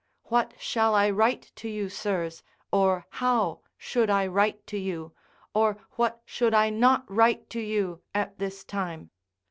"What shall I write to you, sirs, or how should I write to you, or what should I not write to you at this time?